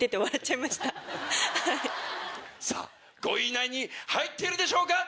さぁ５位以内に入っているでしょうか